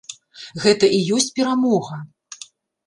Гэта і ёсць перамога.